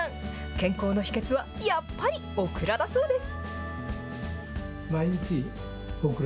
健康の秘けつは、やっぱりオクラだそうです。